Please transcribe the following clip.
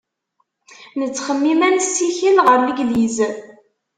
Nettxemmim ad nessikel ɣer Legliz.